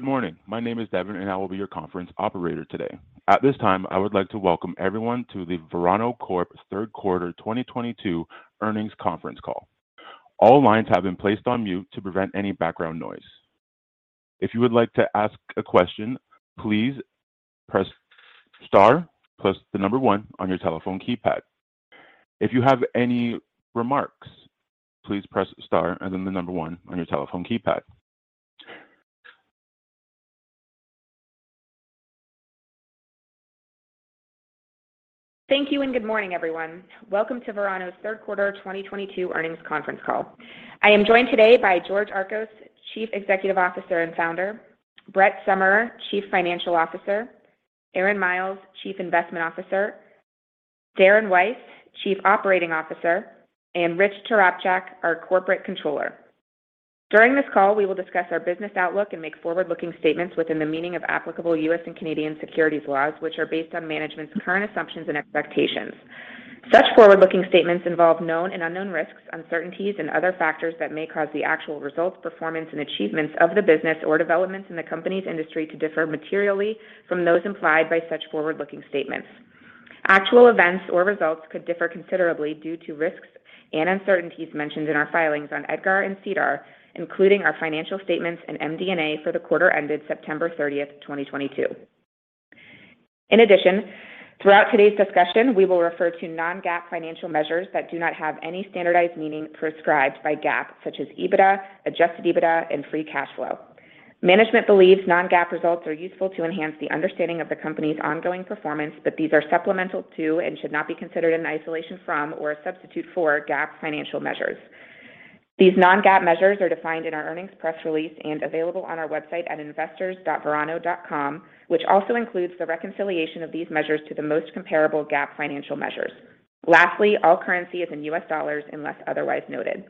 Good morning. My name is Devon, and I will be your conference operator today. At this time, I would like to welcome everyone to the Verano Corp Third Quarter 2022 Earnings Conference Call. All lines have been placed on mute to prevent any background noise. If you would like to ask a question, please press star plus the number one on your telephone keypad. If you have any remarks, please press star and then the number one on your telephone keypad. Thank you and good morning, everyone. Welcome to Verano's Third Quarter 2022 Earnings Conference Call. I am joined today by George Archos, Chief Executive Officer and Founder, Brett Summerer, Chief Financial Officer, Aaron Miles, Chief Investment Officer, Darren Weiss, Chief Operating Officer, and Richard Tarapchak, our Corporate Controller. During this call, we will discuss our business outlook and make forward-looking statements within the meaning of applicable U.S. and Canadian securities laws, which are based on management's current assumptions and expectations. Such forward-looking statements involve known and unknown risks, uncertainties, and other factors that may cause the actual results, performance, and achievements of the business or developments in the company's industry to differ materially from those implied by such forward-looking statements. Actual events or results could differ considerably due to risks and uncertainties mentioned in our filings on EDGAR and SEDAR, including our financial statements and MD&A for the quarter ended September 30th, 2022. In addition, throughout today's discussion, we will refer to non-GAAP financial measures that do not have any standardized meaning prescribed by GAAP, such as EBITDA, Adjusted EBITDA, and free cash flow. Management believes non-GAAP results are useful to enhance the understanding of the company's ongoing performance, but these are supplemental to and should not be considered in isolation from or a substitute for GAAP financial measures. These non-GAAP measures are defined in our earnings press release and available on our website at investors.verano.com, which also includes the reconciliation of these measures to the most comparable GAAP financial measures. Lastly, all currency is in U.S. dollars unless otherwise noted.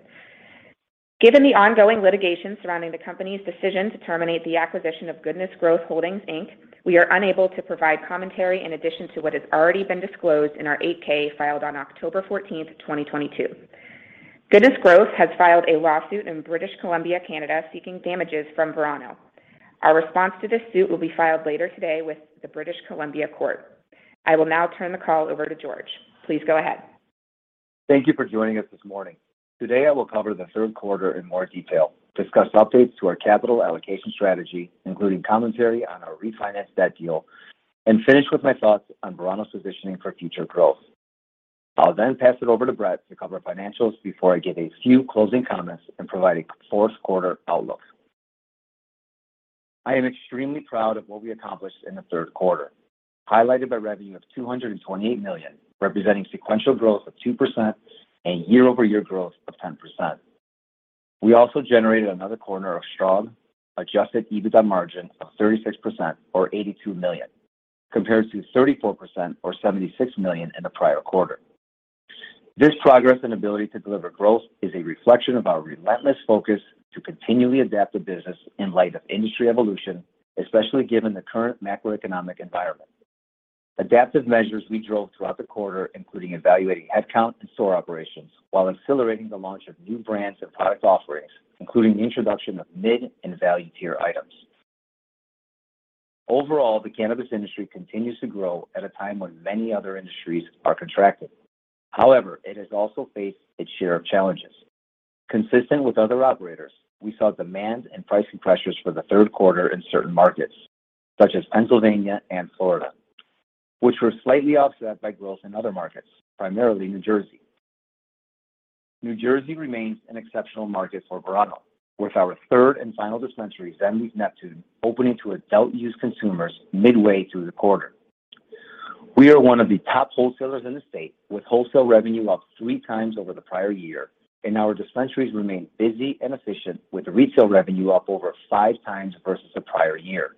Given the ongoing litigation surrounding the company's decision to terminate the acquisition of Goodness Growth Holdings, Inc., we are unable to provide commentary in addition to what has already been disclosed in our 8-K filed on October 14th, 2022. Goodness Growth has filed a lawsuit in British Columbia, Canada, seeking damages from Verano. Our response to this suit will be filed later today with the British Columbia Court. I will now turn the call over to George. Please go ahead. Thank you for joining us this morning. Today, I will cover the third quarter in more detail, discuss updates to our capital allocation strategy, including commentary on our refinanced debt deal, and finish with my thoughts on Verano's positioning for future growth. I'll then pass it over to Brett to cover financials before I give a few closing comments and provide a fourth quarter outlook. I am extremely proud of what we accomplished in the third quarter, highlighted by revenue of $228 million, representing sequential growth of 2% and year-over-year growth of 10%. We also generated another quarter of strong Adjusted EBITDA margin of 36% or $82 million, compared to 34% or $76 million in the prior quarter. This progress and ability to deliver growth is a reflection of our relentless focus to continually adapt the business in light of industry evolution, especially given the current macroeconomic environment. Adaptive measures we drove throughout the quarter, including evaluating headcount and store operations while accelerating the launch of new brands and product offerings, including the introduction of mid- and value-tier items. Overall, the cannabis industry continues to grow at a time when many other industries are contracting. However, it has also faced its share of challenges. Consistent with other operators, we saw demand and pricing pressures for the third quarter in certain markets, such as Pennsylvania and Florida, which were slightly offset by growth in other markets, primarily New Jersey. New Jersey remains an exceptional market for Verano, with our third and final dispensary, Zen Leaf Neptune, opening to adult-use consumers midway through the quarter. We are one of the top wholesalers in the state, with wholesale revenue up 3x over the prior-year, and our dispensaries remain busy and efficient, with retail revenue up over 5x versus the prior year.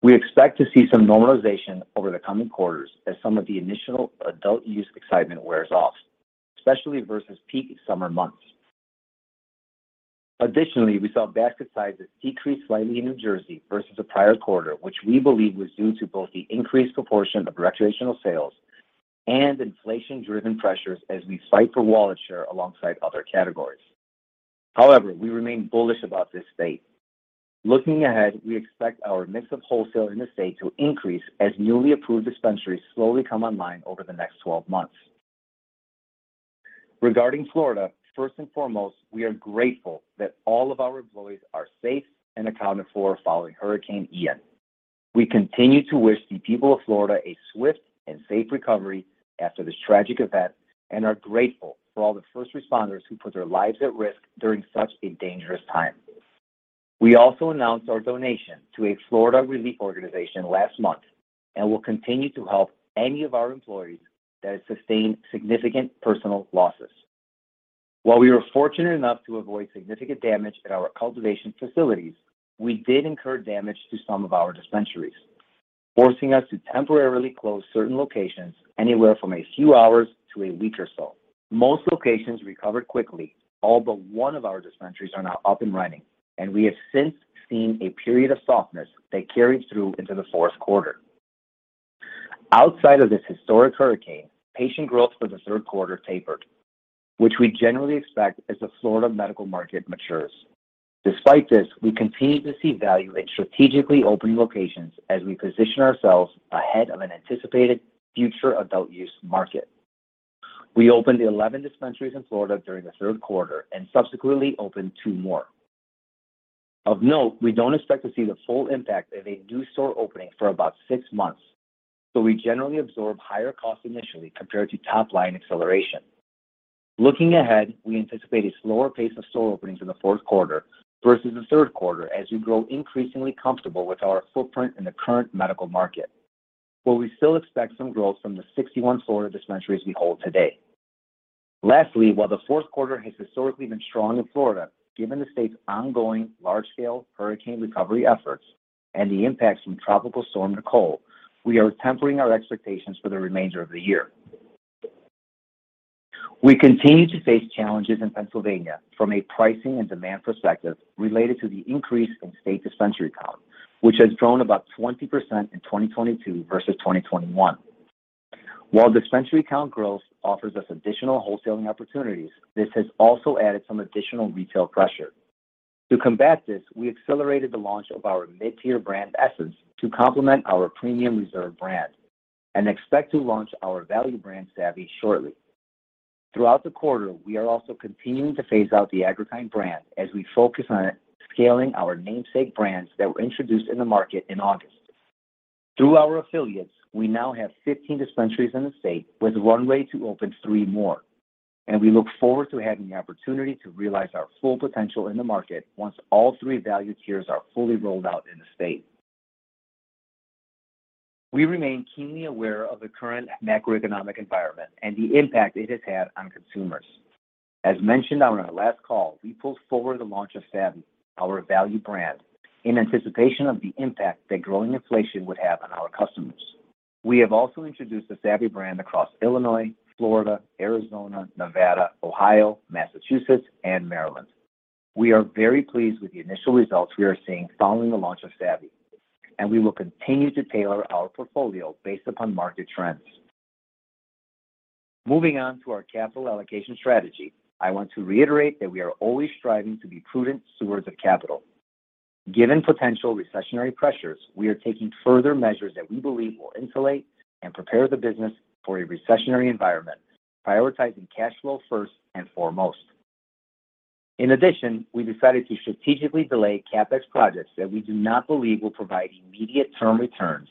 We expect to see some normalization over the coming quarters as some of the initial adult-use excitement wears off, especially versus peak summer months. Additionally, we saw basket sizes decrease slightly in New Jersey versus the prior quarter, which we believe was due to both the increased proportion of recreational sales and inflation-driven pressures as we fight for wallet share alongside other categories. However, we remain bullish about this state. Looking ahead, we expect our mix of wholesale in the state to increase as newly approved dispensaries slowly come online over the next 12 months. Regarding Florida, first and foremost, we are grateful that all of our employees are safe and accounted for following Hurricane Ian. We continue to wish the people of Florida a swift and safe recovery after this tragic event and are grateful for all the first responders who put their lives at risk during such a dangerous time. We also announced our donation to a Florida relief organization last month and will continue to help any of our employees that have sustained significant personal losses. While we were fortunate enough to avoid significant damage at our cultivation facilities, we did incur damage to some of our dispensaries, forcing us to temporarily close certain locations anywhere from a few hours to a week or so. Most locations recovered quickly. All but one of our dispensaries are now up and running, and we have since seen a period of softness that carried through into the fourth quarter. Outside of this historic hurricane, patient growth for the third quarter tapered, which we generally expect as the Florida medical market matures. Despite this, we continue to see value in strategically opening locations as we position ourselves ahead of an anticipated future adult-use market. We opened 11 dispensaries in Florida during the third quarter and subsequently opened two more. Of note, we don't expect to see the full impact of a new store opening for about six months, so we generally absorb higher costs initially compared to top-line acceleration. Looking ahead, we anticipate a slower pace of store openings in the fourth quarter versus the third quarter as we grow increasingly comfortable with our footprint in the current medical market, where we still expect some growth from the 61 Florida dispensaries we hold today. Lastly, while the fourth quarter has historically been strong in Florida, given the state's ongoing large-scale hurricane recovery efforts and the impacts from Tropical Storm Nicole, we are tempering our expectations for the remainder of the year. We continue to face challenges in Pennsylvania from a pricing and demand perspective related to the increase in state dispensary count, which has grown about 20% in 2022 versus 2021. While dispensary count growth offers us additional wholesaling opportunities, this has also added some additional retail pressure. To combat this, we accelerated the launch of our mid-tier brand Essence to complement our premium Verano Reserve brand and expect to launch our value brand Savvy shortly. Throughout the quarter, we are also continuing to phase out the Agri-Kind brand as we focus on scaling our namesake brands that were introduced in the market in August. Through our affiliates, we now have 15 dispensaries in the state with runway to open three more, and we look forward to having the opportunity to realize our full potential in the market once all three value tiers are fully rolled out in the state. We remain keenly aware of the current macroeconomic environment and the impact it has had on consumers. As mentioned on our last call, we pulled forward the launch of Savvy, our value brand, in anticipation of the impact that growing inflation would have on our customers. We have also introduced the Savvy brand across Illinois, Florida, Arizona, Nevada, Ohio, Massachusetts, and Maryland. We are very pleased with the initial results we are seeing following the launch of Savvy, and we will continue to tailor our portfolio based upon market trends. Moving on to our capital allocation strategy, I want to reiterate that we are always striving to be prudent stewards of capital. Given potential recessionary pressures, we are taking further measures that we believe will insulate and prepare the business for a recessionary environment, prioritizing cash flow first and foremost. In addition, we decided to strategically delay CapEx projects that we do not believe will provide immediate-term returns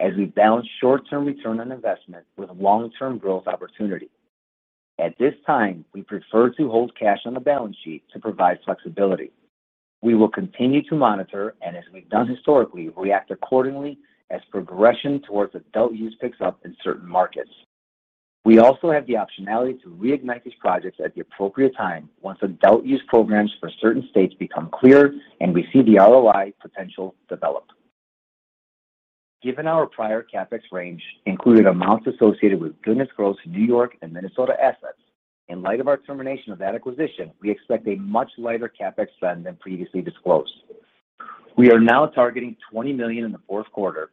as we balance short-term return on investment with long-term growth opportunity. At this time, we prefer to hold cash on the balance sheet to provide flexibility. We will continue to monitor, and as we've done historically, react accordingly as progression towards adult-use picks up in certain markets. We also have the optionality to reignite these projects at the appropriate time once adult-use programs for certain states become clearer and we see the ROI potential develop. Given our prior CapEx range included amounts associated with Goodness Growth in New York and Minnesota assets, in light of our termination of that acquisition, we expect a much lighter CapEx spend than previously disclosed. We are now targeting $20 million in the fourth quarter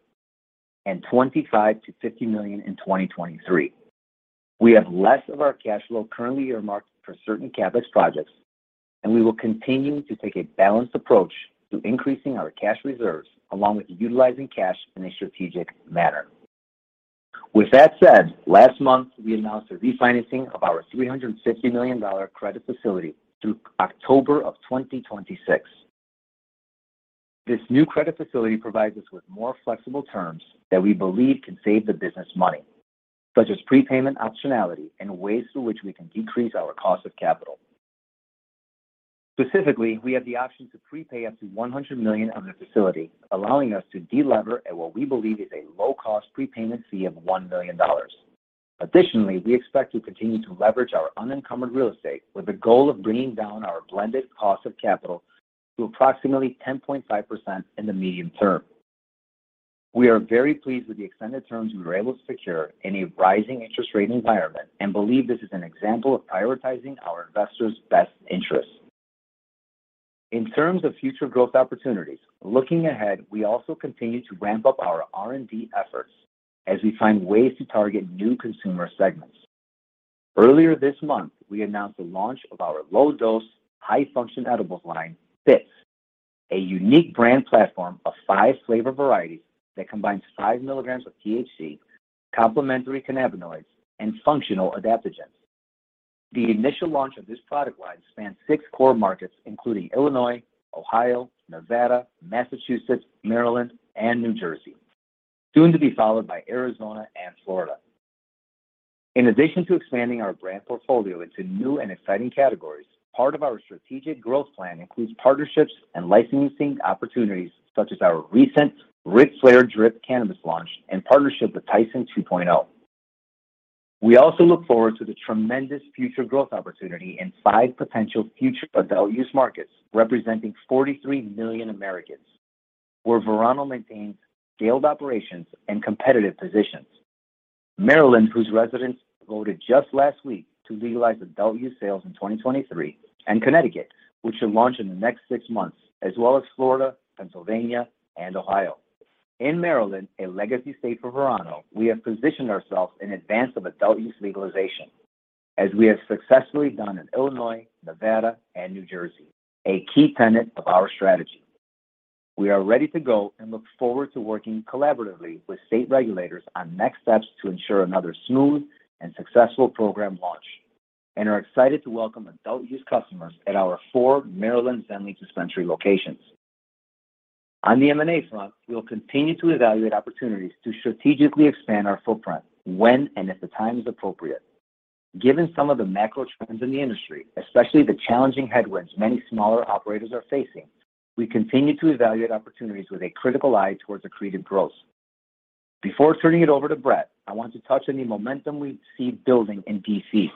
and $25 million to $50 million in 2023. We have less of our cash flow currently earmarked for certain CapEx projects, and we will continue to take a balanced approach to increasing our cash reserves along with utilizing cash in a strategic manner. With that said, last month, we announced a refinancing of our $350 million credit facility through October 2026. This new credit facility provides us with more flexible terms that we believe can save the business money, such as Prepayment Optionality and ways through which we can decrease our cost of capital. Specifically, we have the option to prepay up to $100 million of the facility, allowing us to de-lever at what we believe is a low-cost prepayment fee of $1 million. Additionally, we expect to continue to leverage our Unencumbered Real Estate with the goal of bringing down our blended cost of capital to approximately 10.5% in the medium term. We are very pleased with the extended terms we were able to secure in a rising interest rate environment and believe this is an example of prioritizing our investors' best interests. In terms of future growth opportunities, looking ahead, we also continue to ramp up our R&D efforts as we find ways to target new consumer segments. Earlier this month, we announced the launch of our low-dose, high-function edibles line, BITS, a unique brand platform of five flavor varieties that combines five milligrams of THC, Complementary Cannabinoids, and Functional Adaptogens. The initial launch of this product line spans six core markets, including Illinois, Ohio, Nevada, Massachusetts, Maryland, and New Jersey, soon to be followed by Arizona and Florida. In addition to expanding our brand portfolio into new and exciting categories, part of our strategic growth plan includes partnerships and licensing opportunities such as our recent Ric Flair Drip cannabis launch and partnership with Tyson 2.0. We also look forward to the tremendous future growth opportunity in five potential future adult-use markets representing 43 million Americans where Verano maintains scaled operations and competitive positions. Maryland, whose residents voted just last week to legalize adult-use sales in 2023, and Connecticut, which should launch in the next six months, as well as Florida, Pennsylvania, and Ohio. In Maryland, a legacy state for Verano, we have positioned ourselves in advance of adult-use legalization, as we have successfully done in Illinois, Nevada, and New Jersey, a key tenet of our strategy. We are ready to go and look forward to working collaboratively with state regulators on next steps to ensure another smooth and successful program launch, and are excited to welcome adult-use customers at our four Maryland Zen Leaf dispensary locations. On the M&A front, we will continue to evaluate opportunities to strategically expand our footprint when and if the time is appropriate. Given some of the macro trends in the industry, especially the challenging headwinds many smaller operators are facing, we continue to evaluate opportunities with a critical eye towards accretive growth. Before turning it over to Brett, I want to touch on the momentum we see building in D.C.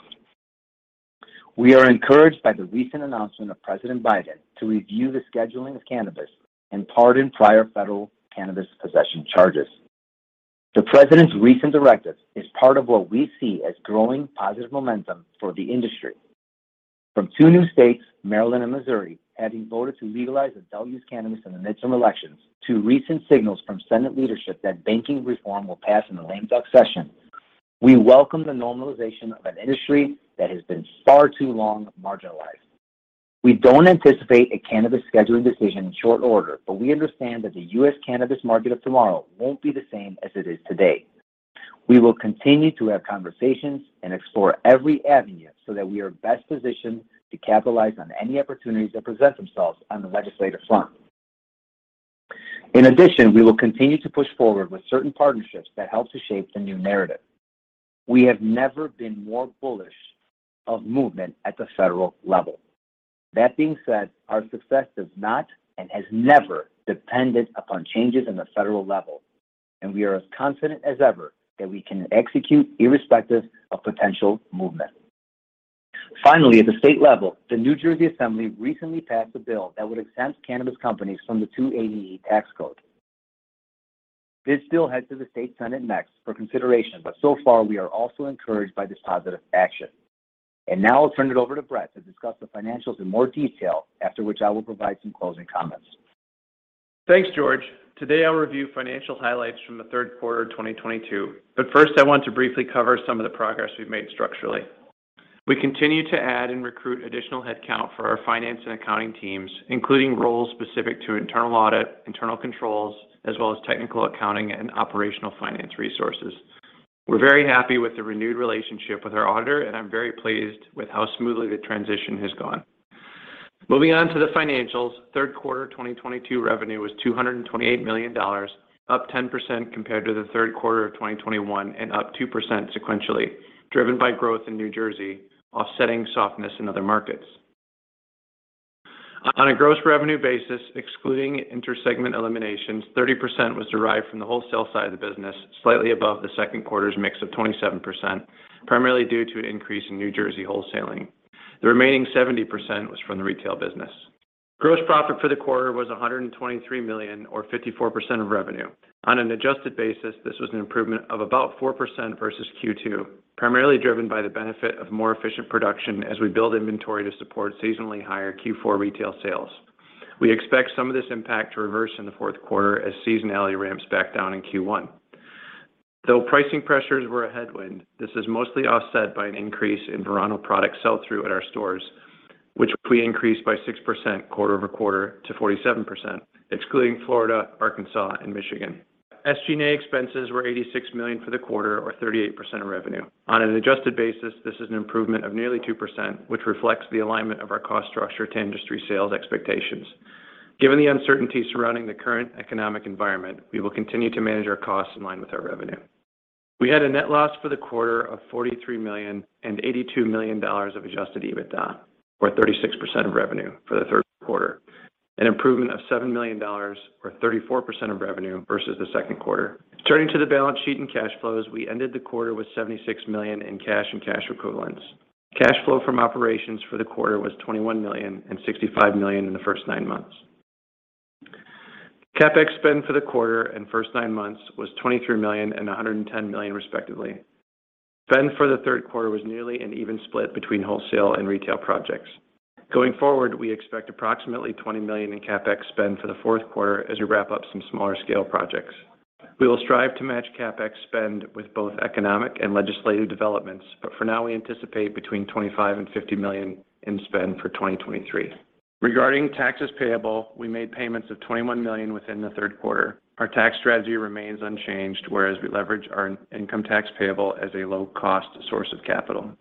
We are encouraged by the recent announcement of President Biden to review the scheduling of cannabis and pardon prior federal cannabis possession charges. The president's recent directive is part of what we see as growing positive momentum for the industry. From two new states, Maryland and Missouri, having voted to legalize adult-use cannabis in the midterm elections to recent signals from Senate leadership that banking reform will pass in the lame duck session, we welcome the normalization of an industry that has been far too long marginalized. We don't anticipate a cannabis scheduling decision in short order, but we understand that the U.S. cannabis market of tomorrow won't be the same as it is today. We will continue to have conversations and explore every avenue so that we are best positioned to capitalize on any opportunities that present themselves on the legislative front. In addition, we will continue to push forward with certain partnerships that help to shape the new narrative. We have never been more bullish of movement at the federal level. That being said, our success does not and has never depended upon changes in the federal level, and we are as confident as ever that we can execute irrespective of potential movement. Finally, at the state level, the New Jersey Assembly recently passed a bill that would exempt cannabis companies from the 280E tax code. This bill heads to the state Senate next for consideration, but so far we are also encouraged by this positive action. Now I'll turn it over to Brett to discuss the financials in more detail, after which I will provide some closing comments. Thanks, George. Today, I'll review financial highlights from the third quarter of 2022. First, I want to briefly cover some of the progress we've made structurally. We continue to add and recruit additional headcount for our finance and accounting teams, including roles specific to internal audit, internal controls, as well as technical accounting and operational finance resources. We're very happy with the renewed relationship with our auditor, and I'm very pleased with how smoothly the transition has gone. Moving on to the financials, third quarter 2022 revenue was $228 million, up 10% compared to the third quarter of 2021, and up 2% sequentially, driven by growth in New Jersey, offsetting softness in other markets. On a gross revenue basis, excluding inter-segment eliminations, 30% was derived from the wholesale side of the business, slightly above the second quarter's mix of 27%, primarily due to an increase in New Jersey wholesaling. The remaining 70% was from the retail business. Gross profit for the quarter was $123 million or 54% of revenue. On an adjusted basis, this was an improvement of about 4% versus Q2, primarily driven by the benefit of more efficient production as we build inventory to support seasonally higher Q4 retail sales. We expect some of this impact to reverse in the fourth quarter as seasonality ramps back down in Q1. Though pricing pressures were a headwind, this is mostly offset by an increase in Verano product sell-through at our stores, which we increased by 6% quarter-over-quarter to 47%, excluding Florida, Arkansas, and Michigan. SG&A expenses were $86 million for the quarter or 38% of revenue. On an adjusted basis, this is an improvement of nearly 2%, which reflects the alignment of our cost structure to industry sales expectations. Given the uncertainty surrounding the current economic environment, we will continue to manage our costs in line with our revenue. We had a net loss for the quarter of $43 million and $82 million of Adjusted EBITDA, or 36% of revenue for the third quarter, an improvement of $7 million or 34% of revenue versus the second quarter. Turning to the balance sheet and cash flows, we ended the quarter with $76 million in cash and cash equivalents. Cash flow from operations for the quarter was $21 million and $65 million in the first nine months. CapEx spend for the quarter and first nine months was $23 million and $110 million respectively. Spend for the third quarter was nearly an even split between wholesale and retail projects. Going forward, we expect approximately $20 million in CapEx spend for the fourth quarter as we wrap up some smaller scale projects. We will strive to match CapEx spend with both economic and legislative developments, but for now, we anticipate between $25 million and $50 million in spend for 2023. Regarding taxes payable, we made payments of $21 million within the third quarter. Our Tax Strategy remains unchanged, whereas we leverage our income tax payable as a low-cost source of capital.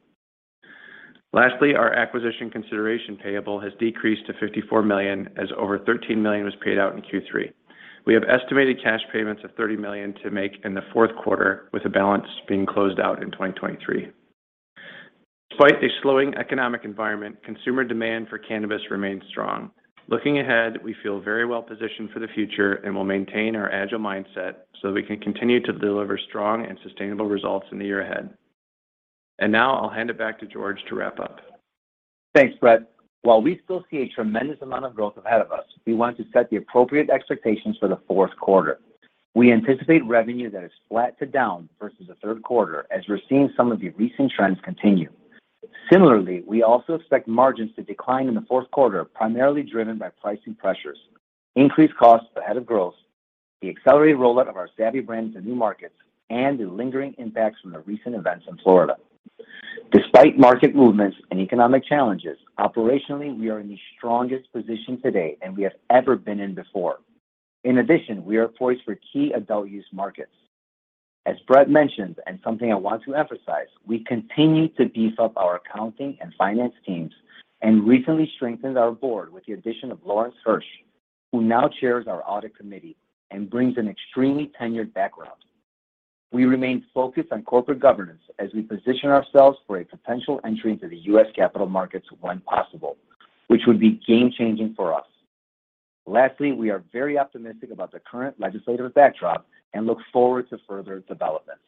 Lastly, our acquisition consideration payable has decreased to $54 million as over $13 million was paid out in Q3. We have estimated cash payments of $30 million to make in the fourth quarter, with the balance being closed out in 2023. Despite a slowing economic environment, consumer demand for cannabis remains strong. Looking ahead, we feel very well positioned for the future and will maintain our agile mindset so that we can continue to deliver strong and sustainable results in the year ahead. Now I'll hand it back to George to wrap up. Thanks, Brett. While we still see a tremendous amount of growth ahead of us, we want to set the appropriate expectations for the fourth quarter. We anticipate revenue that is flat to down versus the third quarter as we're seeing some of the recent trends continue. Similarly, we also expect margins to decline in the fourth quarter, primarily driven by pricing pressures, increased costs ahead of growth, the accelerated rollout of our Savvy brands in new markets, and the lingering impacts from the recent events in Florida. Despite market movements and economic challenges, operationally, we are in the strongest position today and we have ever been in before. In addition, we are poised for key adult-use markets. As Brett mentioned, and something I want to emphasize, we continue to beef up our accounting and finance teams and recently strengthened our board with the addition of Lawrence Hirsh, who now chairs our Audit Committee and brings an extremely tenured background. We remain focused on corporate governance as we position ourselves for a potential entry into the U.S. capital markets when possible, which would be game-changing for us. Lastly, we are very optimistic about the current legislative backdrop and look forward to further developments.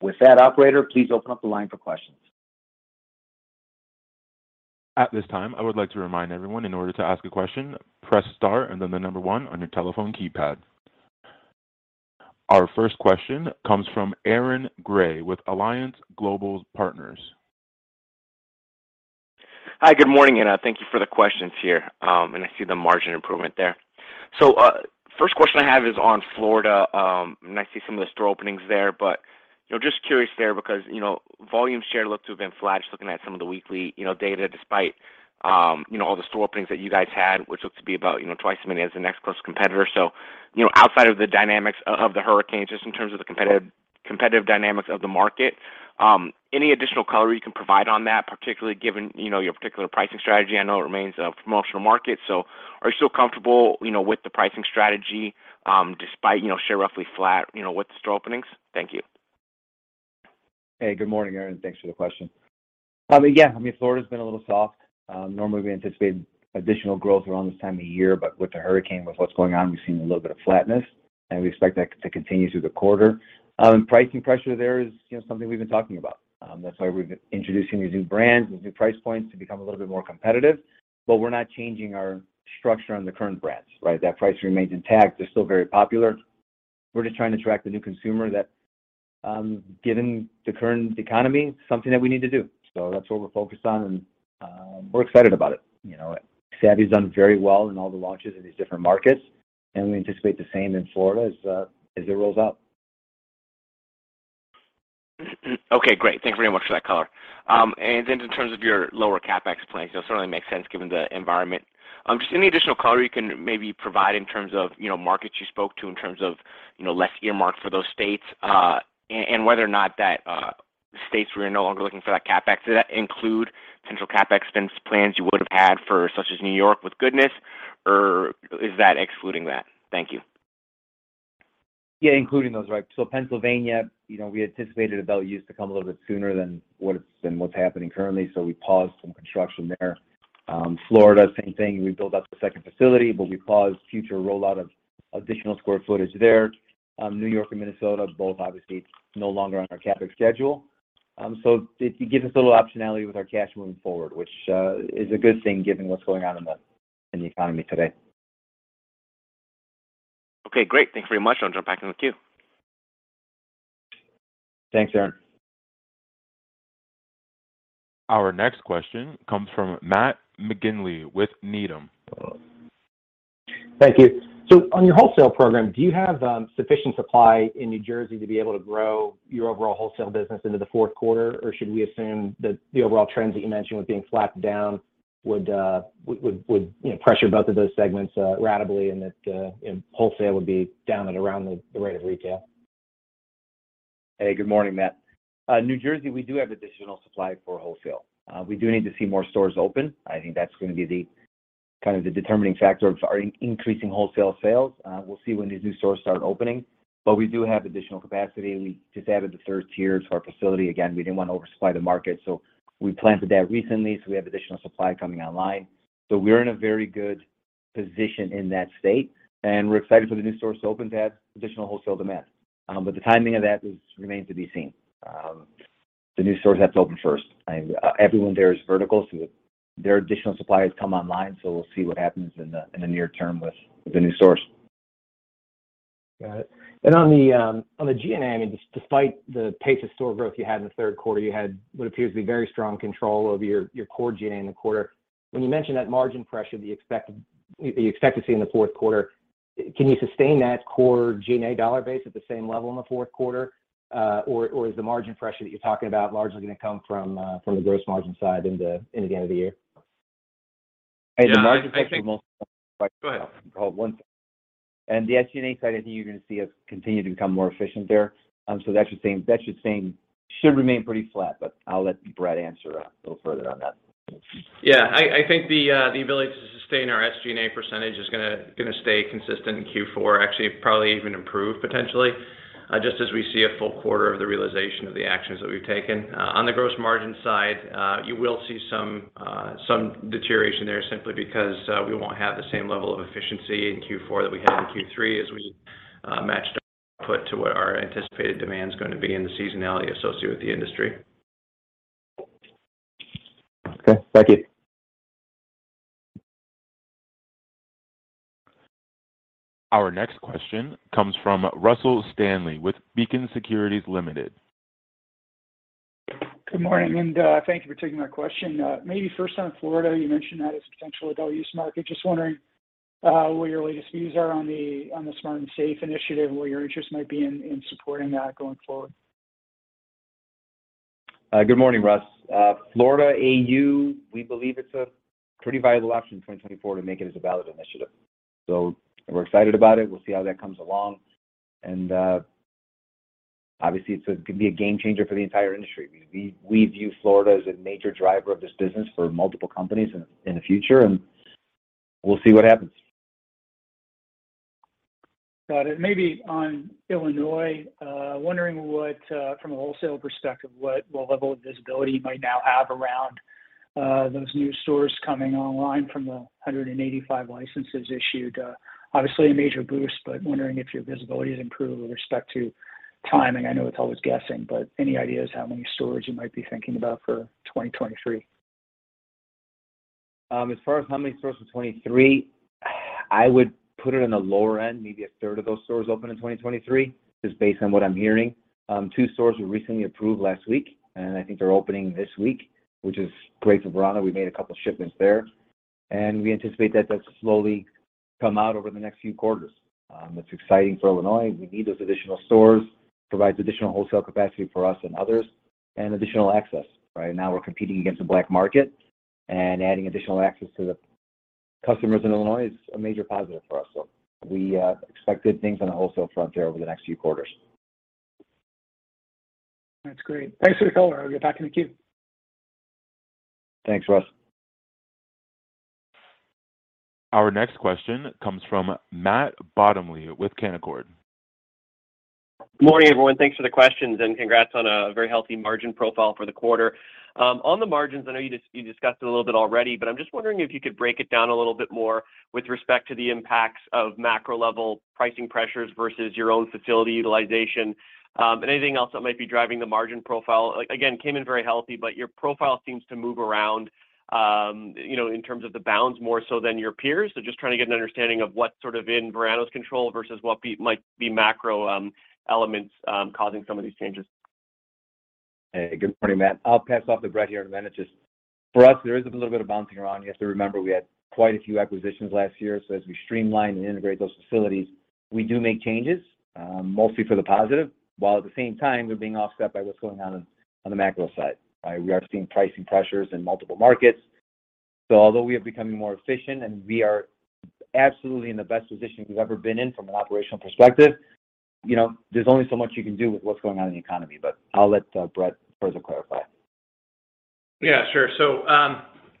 With that, operator, please open up the line for questions. At this time, I would like to remind everyone, in order to ask a question, press star and then the number one on your telephone keypad. Our first question comes from Aaron Grey with Alliance Global Partners. Hi, good morning, thank you for the questions here. I see the margin improvement there. First question I have is on Florida, and I see some of the store openings there, but, you know, just curious there because, you know, volume share looks to have been flat, just looking at some of the weekly, you know, data despite, you know, all the store openings that you guys had, which looks to be about, you know, twice as many as the next closest competitor. You know, outside of the dynamics of the hurricane, just in terms of the competitive dynamics of the market, any additional color you can provide on that, particularly given, you know, your particular pricing strategy? I know it remains a promotional market, so are you still comfortable, you know, with the pricing strategy, despite, you know, share roughly flat, you know, with the store openings? Thank you. Hey, good morning, Aaron. Thanks for the question. Yeah, I mean, Florida's been a little soft. Normally we anticipate additional growth around this time of year, but with the hurricane, with what's going on, we've seen a little bit of flatness, and we expect that to continue through the quarter. Pricing pressure there is, you know, something we've been talking about, that's why we're introducing these new brands with new price points to become a little bit more competitive. We're not changing our structure on the current brands, right? That price remains intact. They're still very popular. We're just trying to attract the new consumer that, given the current economy, something that we need to do. That's what we're focused on, and we're excited about it. You know, Savvy's done very well in all the launches in these different markets, and we anticipate the same in Florida as it rolls out. Okay, great. Thanks very much for that color. In terms of your lower CapEx plans, it certainly makes sense given the environment. Just any additional color you can maybe provide in terms of, you know, markets you spoke to in terms of, you know, less earmarked for those states, and whether or not that those states were no longer looking for that CapEx. Did that include central CapEx spend plans you would have had for such as New York with Goodness, or is that excluding that? Thank you. Yeah, including those, right. Pennsylvania, you know, we anticipated adult-use to come a little bit sooner than what it's been, what's happening currently, so we paused some construction there. Florida, same thing. We built out the second facility, but we paused future rollout of additional square footage there. New York and Minnesota both obviously no longer on our CapEx schedule. It gives us a little optionality with our cash moving forward, which is a good thing given what's going on in the economy today. Okay, great. Thanks very much. I'll jump back in queue. Thanks, Aaron. Our next question comes from Matt McGinley with Needham. Thank you. On your wholesale program, do you have sufficient supply in New Jersey to be able to grow your overall wholesale business into the fourth quarter? Or should we assume that the overall trends that you mentioned with being flat to down would you know, pressure both of those segments ratably and that you know, wholesale would be down at around the rate of retail? Hey, good morning, Matt. New Jersey, we do have additional supply for wholesale. We do need to see more stores open. I think that's gonna be kind of the determining factor of our increasing wholesale sales. We'll see when these new stores start opening. We do have additional capacity. We just added the third tier to our facility. Again, we didn't want to oversupply the market, so we planted that recently, so we have additional supply coming online. We're in a very good position in that state, and we're excited for the new stores to open to add additional wholesale demand. The timing of that remains to be seen. The new stores have to open first. Everyone there is vertical, so their additional suppliers come online, so we'll see what happens in the near term with the new stores. Got it. On the G&A, I mean, despite the pace of store growth you had in the third quarter, you had what appears to be very strong control over your core G&A in the quarter. When you mentioned that margin pressure that you expect to see in the fourth quarter, can you sustain that core G&A dollar base at the same level in the fourth quarter? Or is the margin pressure that you're talking about largely gonna come from the gross margin side in the end of the year? Hey, the margin pressure. Yeah, I think. Go ahead. The SG&A side, I think you're gonna see us continue to become more efficient there. So that should remain pretty flat, but I'll let Brett answer a little further on that. Yeah. I think the ability to sustain our SG&A percentage is gonna stay consistent in Q4, actually probably even improve potentially, just as we see a full quarter of the realization of the actions that we've taken. On the gross margin side, you will see some deterioration there simply because we won't have the same level of efficiency in Q4 that we had in Q3 as we— Matched our output to what our anticipated demand is going to be and the seasonality associated with the industry. Okay, thank you. Our next question comes from Russell Stanley with Beacon Securities Limited. Good morning, thank you for taking my question. Maybe first on Florida, you mentioned that as a potential adult-use market. Just wondering, what your latest views are on the Smart and Safe initiative, where your interest might be in supporting that going forward. Good morning, Russ. Florida AU, we believe it's a pretty viable option in 2024 to make it as a ballot initiative. We're excited about it. We'll see how that comes along. Obviously it could be a game changer for the entire industry. We view Florida as a major driver of this business for multiple companies in the future, and we'll see what happens. Got it. Maybe on Illinois, wondering what from a wholesale perspective what level of visibility you might now have around those new stores coming online from the 185 licenses issued. Obviously a major boost, but wondering if your visibility has improved with respect to timing. I know it's always guessing, but any ideas how many stores you might be thinking about for 2023? As far as how many stores for 2023, I would put it in the lower end, maybe a third of those stores open in 2023, just based on what I'm hearing. Two stores were recently approved last week, and I think they're opening this week, which is great for Verano. We made a couple shipments there, and we anticipate that to slowly come out over the next few quarters. It's exciting for Illinois. We need those additional stores, provides additional wholesale capacity for us and others, and additional access. Right now, we're competing against the black market and adding additional access to the customers in Illinois is a major positive for us. We expect good things on the wholesale front there over the next few quarters. That's great. Thanks for the color. I'll get back in the queue. Thanks, Russ. Our next question comes from Matt Bottomley with Canaccord Genuity. Morning, everyone. Thanks for the questions and congrats on a very healthy margin profile for the quarter. On the margins, I know you discussed it a little bit already, but I'm just wondering if you could break it down a little bit more with respect to the impacts of macro level pricing pressures versus your own facility utilization, and anything else that might be driving the margin profile. Again, came in very healthy, but your profile seems to move around, you know, in terms of the bounds more so than your peers. Just trying to get an understanding of what sort of in Verano's control versus what might be macro elements causing some of these changes. Hey, good morning, Matt. I'll pass off to Brett here in a minute. Just for us, there is a little bit of bouncing around. You have to remember we had quite a few acquisitions last year. As we streamline and integrate those facilities, we do make changes, mostly for the positive, while at the same time, we're being offset by what's going on the macro side. We are seeing pricing pressures in multiple markets. Although we are becoming more efficient and we are absolutely in the best position we've ever been in from an operational perspective, you know, there's only so much you can do with what's going on in the economy. I'll let Brett further clarify. Yeah, sure.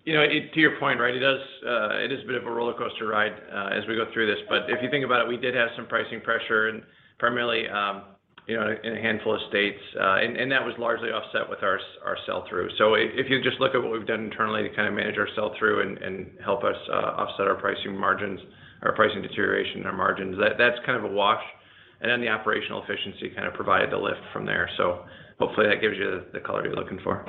You know, to your point, right, it does, it is a bit of a roller coaster ride, as we go through this. If you think about it, we did have some pricing pressure and primarily, you know, in a handful of states, and that was largely offset with our sell through. If you just look at what we've done internally to kind of manage our sell through and help us offset our pricing margins, our pricing deterioration and our margins, that's kind of a wash. Then the operational efficiency kind of provided the lift from there. Hopefully that gives you the color you're looking for.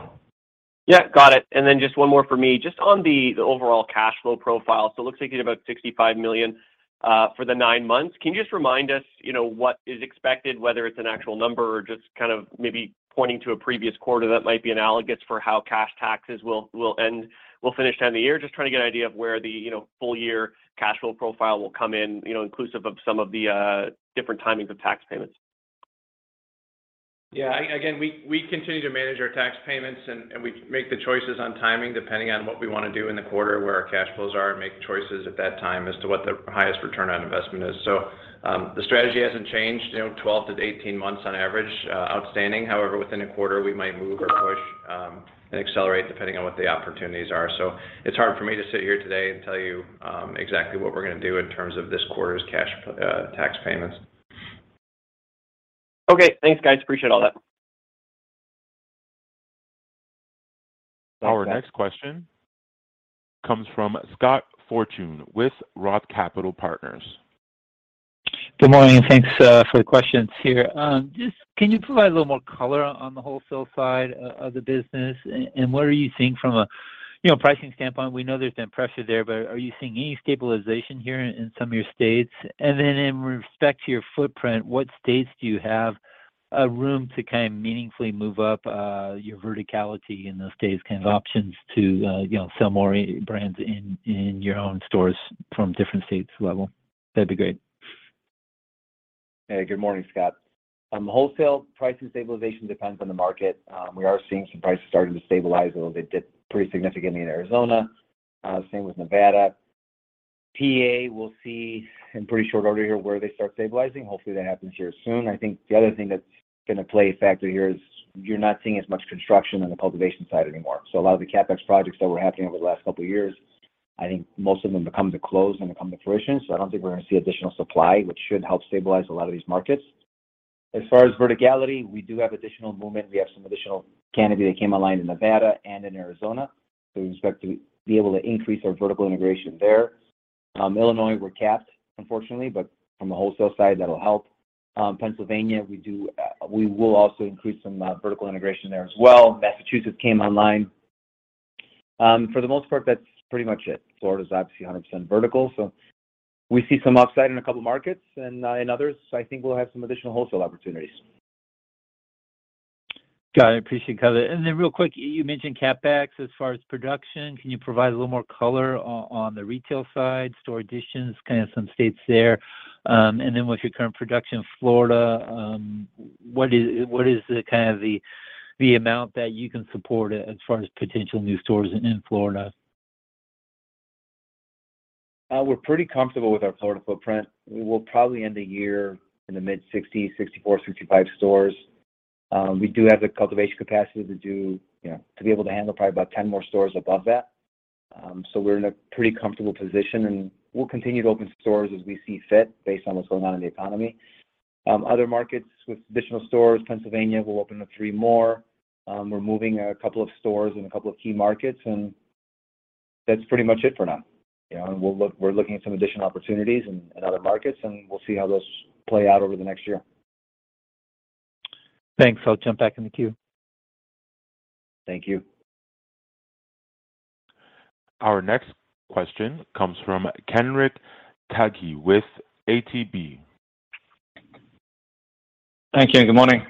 Yeah, got it. Just one more for me, just on the overall cash flow profile. It looks like you did about $65 million for the nine months. Can you just remind us, you know, what is expected, whether it's an actual number just kind of maybe pointing to a previous quarter that might be analogous for how cash taxes will end, finish out the year? Just trying to get an idea of where the, you know, full year cash flow profile will come in, you know, inclusive of some of the different timings of tax payments. Yeah. Again, we continue to manage our tax payments, and we make the choices on timing, depending on what we want to do in the quarter where our cash flows are, and make choices at that time as to what the highest return on investment is. The strategy hasn't changed, you know, 12 to 18 months on average outstanding. However, within a quarter, we might move or push and accelerate depending on what the opportunities are. It's hard for me to sit here today and tell you exactly what we're gonna do in terms of this quarter's tax payments. Okay, thanks, guys. Appreciate all that. Our next question comes from Scott Fortune with Roth Capital Partners. Good morning, and thanks for the questions here. Just can you provide a little more color on the wholesale side of the business, and what are you seeing from a you know pricing standpoint? We know there's been pressure there, but are you seeing any stabilization here in some of your states? And then in respect to your footprint, what states do you have room to kind of meaningfully move up your verticality in those states, kind of options to you know sell more brands in your own stores from different states level? That'd be great. Hey, good morning, Scott. Wholesale pricing stabilization depends on the market. We are seeing some prices starting to stabilize a little bit. It did pretty significantly in Arizona. Same with Nevada. PA, we'll see in pretty short order here where they start stabilizing. Hopefully, that happens here soon. I think the other thing that's gonna play a factor here is you're not seeing as much construction on the cultivation side anymore. So a lot of the CapEx projects that were happening over the last couple of years, I think most of them are coming to a close and come to fruition. So I don't think we're going to see additional supply, which should help stabilize a lot of these markets. As far as verticality, we do have additional movement. We have some additional canopy that came online in Nevada and in Arizona. We expect to be able to increase our vertical integration there. Illinois, we're capped, unfortunately, but from a wholesale side, that'll help. Pennsylvania, we will also increase some vertical integration there as well. Massachusetts came online. For the most part, that's pretty much it. Florida's obviously 100% vertical, so we see some upside in a couple of markets. In others, I think we'll have some additional wholesale opportunities. Got it. I appreciate, George. Real quick, you mentioned CapEx as far as production. Can you provide a little more color on the retail side, store additions, kind of some states there? With your current production in Florida, what is the kind of the amount that you can support as far as potential new stores in Florida? We're pretty comfortable with our Florida footprint. We'll probably end the year in the mid-60, 64, 65 stores. We do have the cultivation capacity to be able to handle probably about 10 more stores above that. We're in a pretty comfortable position, and we'll continue to open stores as we see fit based on what's going on in the economy. Other markets with additional stores, Pennsylvania, we'll open up three more. We're moving a couple of stores in a couple of key markets, and that's pretty much it for now. You know, we're looking at some additional opportunities in other markets, and we'll see how those play out over the next year. Thanks. I'll jump back in the queue. Thank you. Our next question comes from Kenric Tyghe with ATB. Thank you and good morning.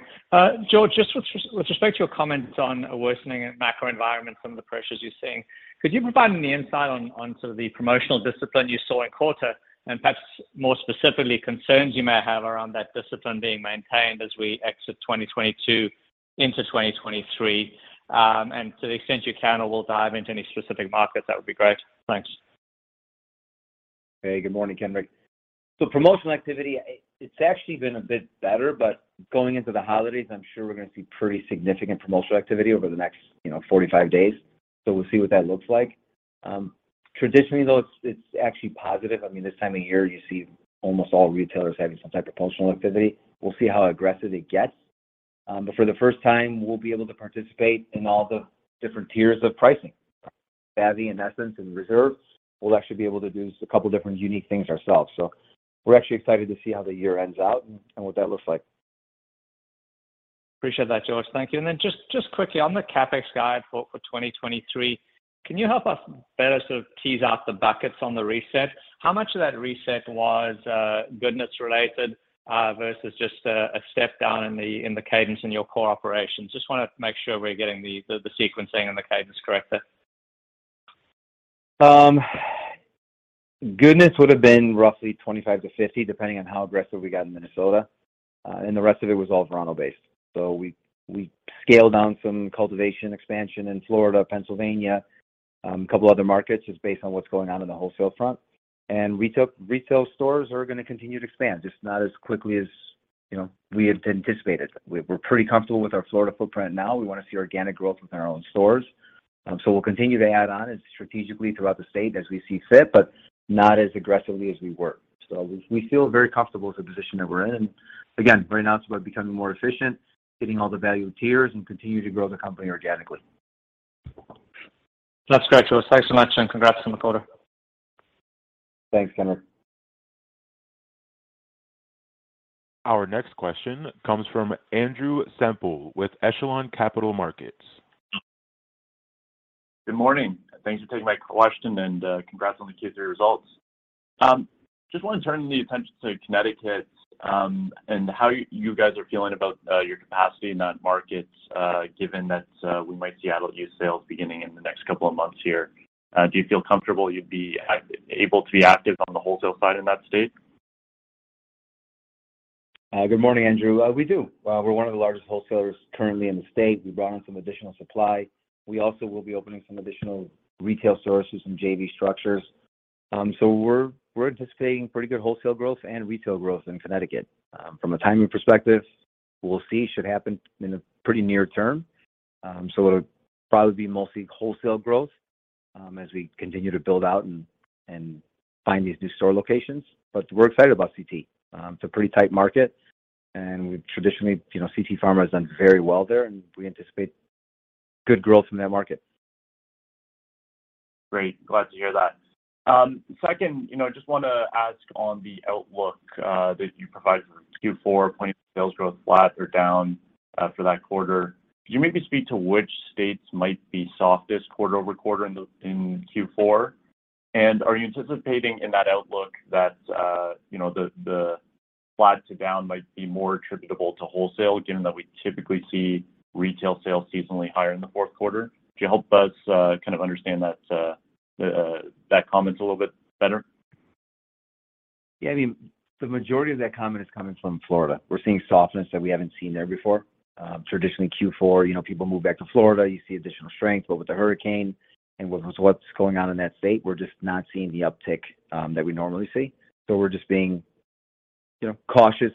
George, just with respect to your comments on a worsening macro environment, some of the pressures you're seeing, could you provide any insight on sort of the promotional discipline you saw in quarter and perhaps more specifically, concerns you may have around that discipline being maintained as we exit 2022 into 2023? To the extent you can or will dive into any specific markets, that would be great. Thanks. Hey, good morning, Kenric. Promotional activity, it's actually been a bit better, but going into the holidays, I'm sure we're gonna see pretty significant promotional activity over the next, you know, 45 days. We'll see what that looks like. Traditionally, though, it's actually positive. I mean, this time of year, you see almost all retailers having some type of promotional activity. We'll see how aggressive it gets. For the first time, we'll be able to participate in all the different tiers of pricing. Savvy, and Essence, and Reserve, we'll actually be able to do a couple of different unique things ourselves. We're actually excited to see how the year ends out and what that looks like. Appreciate that, George. Thank you. Just quickly on the CapEx guide for 2023, can you help us better sort of tease out the buckets on the reset? How much of that reset was goodness related versus just a step down in the cadence in your core operations? Just wanna make sure we're getting the sequencing and the cadence correctly. Goodness would have been roughly 25 to 50, depending on how aggressive we got in Minnesota, and the rest of it was all Verano-based. We scaled down some cultivation expansion in Florida, Pennsylvania, a couple of other markets just based on what's going on in the wholesale front. Retail stores are gonna continue to expand, just not as quickly as, you know, we had anticipated. We're pretty comfortable with our Florida footprint now. We wanna see organic growth within our own stores. We'll continue to add on strategically throughout the state as we see fit, but not as aggressively as we were. We feel very comfortable with the position that we're in. Right now, it's about becoming more efficient, hitting all the value tiers, and continue to grow the company organically. That's great, George. Thanks so much, and congrats on the quarter. Thanks, Kenric. Our next question comes from Andrew Semple with Echelon Capital Markets. Good morning. Thanks for taking my question, and congrats on the Q3 results. Just wanna turn the attention to Connecticut, and how you guys are feeling about your capacity in that market, given that we might see adult-use sales beginning in the next couple of months here. Do you feel comfortable you'd be able to be active on the wholesale side in that state? Good morning, Andrew. We do. We're one of the largest wholesalers currently in the state. We brought in some additional supply. We also will be opening some additional retail stores and JV structures. We're anticipating pretty good wholesale growth and retail growth in Connecticut. From a timing perspective, we'll see. Should happen in the pretty near term. It'll probably be mostly wholesale growth, as we continue to build out and find these new store locations. We're excited about CT. It's a pretty tight market, and we've traditionally, you know, CT Pharma has done very well there, and we anticipate good growth in that market. Great. Glad to hear that. Second, you know, just wanna ask on the outlook that you provide for Q4, pointing to sales growth flat or down after that quarter. Could you maybe speak to which states might be softest quarter over quarter in Q4? Are you anticipating in that outlook that the flat to down might be more attributable to wholesale, given that we typically see retail sales seasonally higher in the fourth quarter? Could you help us kind of understand that comment a little bit better? Yeah. I mean, the majority of that comment is coming from Florida. We're seeing softness that we haven't seen there before. Traditionally Q4, you know, people move back to Florida, you see additional strength. With the hurricane and with what's going on in that state, we're just not seeing the uptick that we normally see. We're just being, you know, cautious,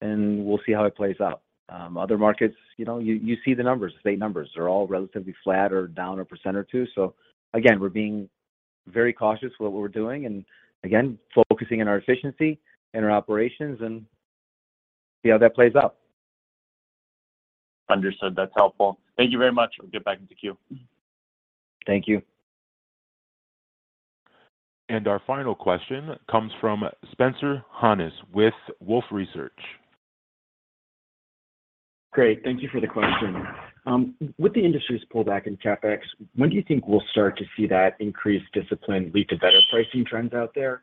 and we'll see how it plays out. Other markets, you know, you see the numbers, the state numbers. They're all relatively flat or down 1% or 2%. Again, we're being very cautious what we're doing, and again, focusing on our efficiency and our operations and see how that plays out. Understood. That's helpful. Thank you very much. We'll get back into queue. Thank you. Our final question comes from Spencer Hanus with Wolfe Research. Great. Thank you for the question. With the industry's pullback in CapEx, when do you think we'll start to see that increased discipline lead to better pricing trends out there?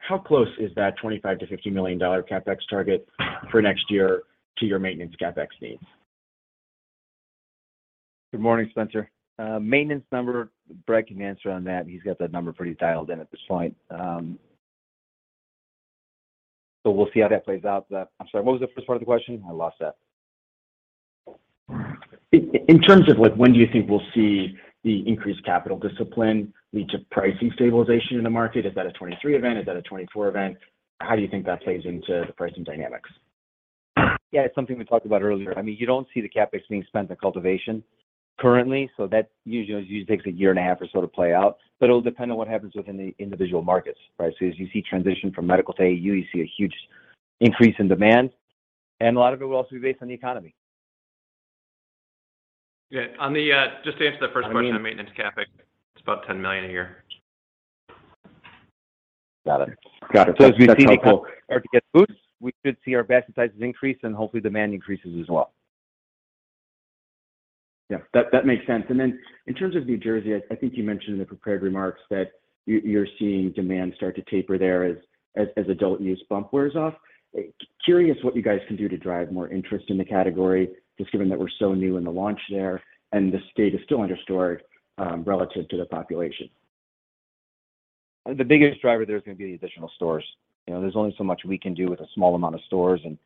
How close is that $25 million to $50 million CapEx target for next year to your maintenance CapEx needs? Good morning, Spencer. Maintenance number, Brett can answer on that. He's got that number pretty dialed in at this point. We'll see how that plays out. I'm sorry, what was the first part of the question? I lost that. In terms of like when do you think we'll see the increased capital discipline lead to pricing stabilization in the market? Is that a 2023 event? Is that a 2024 event? How do you think that plays into the pricing dynamics? Yeah, it's something we talked about earlier. I mean, you don't see the CapEx being spent on cultivation currently, so that usually takes a year and a half or so to play out. It'll depend on what happens within the individual markets, right? As you see transition from medical to AU, you see a huge increase in demand, and a lot of it will also be based on the economy. Yeah. Just to answer the first question on maintenance CapEx, it's about $10 million a year. Got it. That's helpful. As we see income start to get boosts, we should see our basket sizes increase, and hopefully demand increases as well. Yeah. That makes sense. In terms of New Jersey, I think you mentioned in the prepared remarks that you're seeing demand start to taper there as adult-use bump wears off. Curious what you guys can do to drive more interest in the category just given that we're so new in the launch there and the state is still under-stored relative to the population. The biggest driver there is gonna be the additional stores. You know, there's only so much we can do with a small amount of stores, and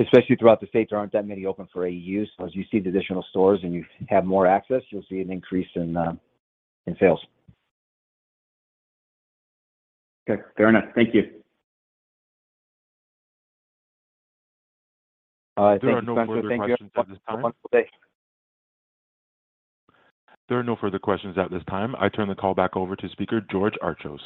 especially throughout the state, there aren't that many open for AU. As you see the additional stores and you have more access, you'll see an increase in sales. Okay. Fair enough. Thank you. All right. Thank you, Spencer. Thank you. Have a wonderful day. There are no further questions at this time. I turn the call back over to speaker George Archos.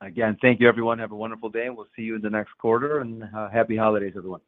Again, thank you everyone. Have a wonderful day, and we'll see you in the next quarter. Happy holidays, everyone.